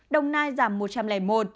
đồng nai giảm một trăm linh một